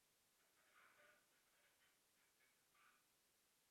应天府乡试第四十二名。